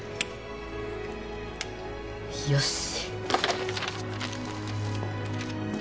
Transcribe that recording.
よし。